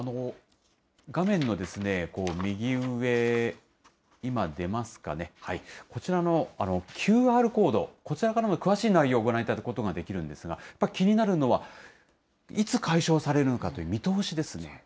画面の右上、今出ますかね、こちらのＱＲコード、こちらからも詳しい内容をご覧いただくことができるんですが、気になるのは、いつ解消されるのかという見通しですね。